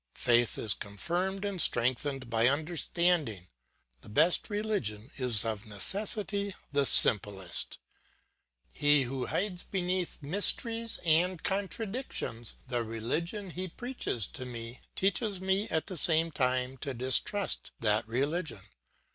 Faith is confirmed and strengthened by understanding; the best religion is of necessity the simplest. He who hides beneath mysteries and contradictions the religion that he preaches to me, teaches me at the same time to distrust that religion.